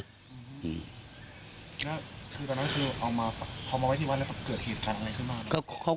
แล้วคือตอนนั้นคือเอามาเอามาไว้ที่วัดแล้วเกิดเหตุการณ์อะไรขึ้นมา